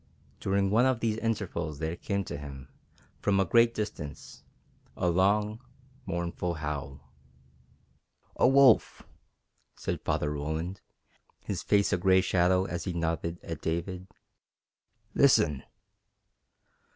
During one of these intervals there came to them, from a great distance, a long, mournful howl. "A wolf!" said Father Roland, his face a gray shadow as he nodded at David. "Listen!"